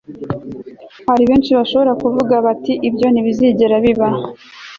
hari benshi bashobora kuvuga bati ibyo ntibizigera biba